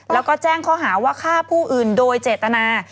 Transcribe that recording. แล้วก็แจ้งข้อหาว่าฆ่าผู้อื่นโดยเจตนา